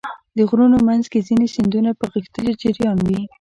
د غرونو منځ کې ځینې سیندونه په غښتلي جریان وي.